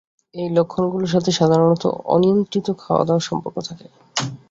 এই লক্ষণগুলোর সাথে সাধারণত অনিয়ন্ত্রিত খাওয়াদাওয়ার সম্পর্ক থাকে।